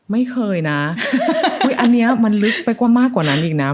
ไม่เคยนะอันนี้มันลึกไปกว่ามากกว่านั้นอีกนะ